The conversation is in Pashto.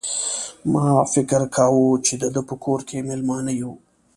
ما فکر کاوه چې د ده په کور کې مېلمانه یو.